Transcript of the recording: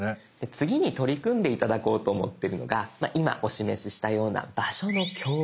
次に取り組んで頂こうと思ってるのが今お示ししたような「場所の共有」。